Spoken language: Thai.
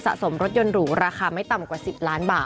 สมรถยนต์หรูราคาไม่ต่ำกว่า๑๐ล้านบาท